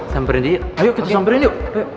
sampirin dia ayo kita samperin dia